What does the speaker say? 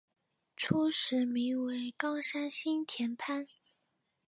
初时名为冈山新田藩。